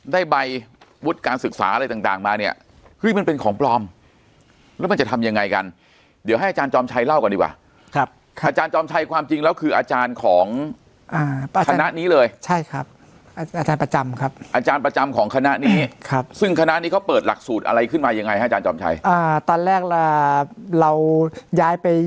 ได้ใบวุฒิการศึกษาอะไรต่างต่างมาเนี่ยเฮ้ยมันเป็นของปลอมแล้วมันจะทำยังไงกันเดี๋ยวให้อาจารย์จอมชัยเล่าก่อนดีกว่าครับค่ะอาจารย์จอมชัยความจริงแล้วคืออาจารย์ของอ่าคณะนี้เลยใช่ครับอาจารย์ประจำครับอาจารย์ประจำของคณะนี้ครับซึ่งคณะนี้เขาเปิดหลักสูตรอะไรขึ้นมายังไงฮะอาจารย์จอมชัยอ่าตอนแรกเราย้ายไป